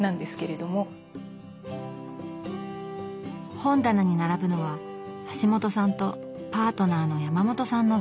本棚に並ぶのは橋本さんとパートナーの山本さんの蔵書。